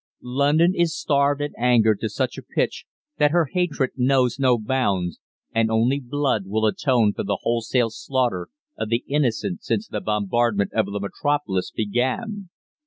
London is starved and angered to such a pitch, that her hatred knows no bounds, and only blood will atone for the wholesale slaughter of the innocent since the bombardment of the metropolis began.